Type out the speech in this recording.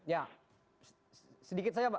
ya sedikit saja pak